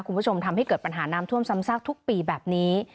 คุณผู้ชมทำให้เกิดปัญหาน้ำท่วมซ้ำซากทุกปีแบบนี้